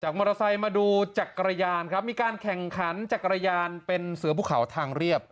มอเตอร์ไซค์มาดูจักรยานครับมีการแข่งขันจักรยานเป็นเสือภูเขาทางเรียบ